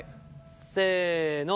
せの！